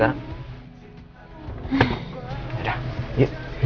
gak ada apa apa